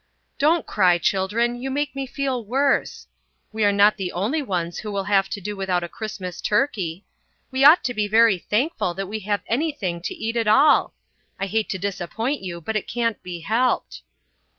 "Don't cry, children, you make me feel worse. We are not the only ones who will have to do without a Christmas turkey. We ought to be very thankful that we have anything to eat at all. I hate to disappoint you, but it can't be helped."